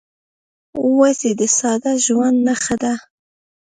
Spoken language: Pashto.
وزې د ساده ژوند نښه ده